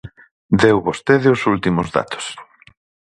Deu vostede os últimos datos.